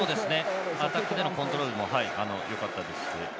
アタックでのコントロールもよかったですし。